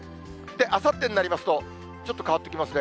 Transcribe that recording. あさってになりますと、ちょっと変わってきますね。